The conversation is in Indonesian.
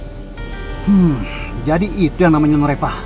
hmm jadi itu yang namanya non reva